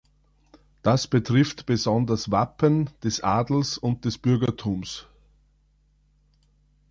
Das betrifft besonders Wappen des Adels und des Bürgertums.